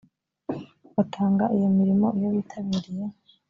batanga iyo mirimo iyo bitabiriye